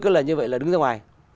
cơ là như vậy là đứng ra ngoài